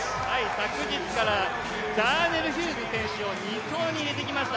昨日からザーネル・ヒューズ選手を２走に入れてきました。